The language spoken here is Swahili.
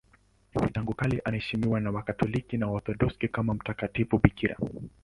Tangu kale anaheshimiwa na Wakatoliki na Waorthodoksi kama mtakatifu bikira.